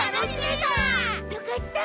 よかった！